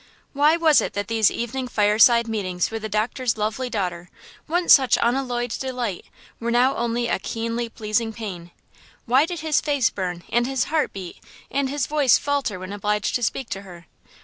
Why was it that these evening fireside meetings with the doctor's lovely daughter, once such unalloyed delight, were now only a keenly pleasing pain? Why did his face burn and his heart beat and his voice falter when obliged to speak to her?